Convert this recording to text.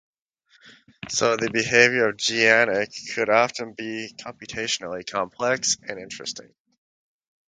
So, the behavior of Geniac could often be computationally complex and interesting.